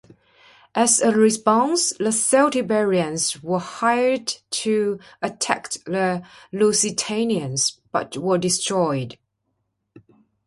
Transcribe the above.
As a response, the Celtiberians were hired to attack the Lusitanians, but were destroyed.